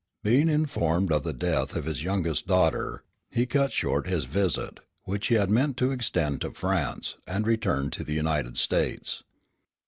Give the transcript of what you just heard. Being informed of the death of his youngest daughter, he cut short his visit, which he had meant to extend to France, and returned to the United States.